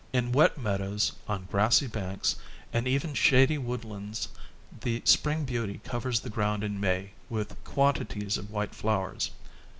In wet meadows, on grassy banks and even shady woodlands the Spring Beauty covers the ground in May with quantities of white flowers.